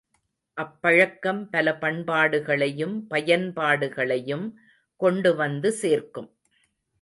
அப்பழக்கம் பல பண்பாடுகளையும் பயன்பாடுகளையும் கொண்டுவந்து சேர்க்கும்.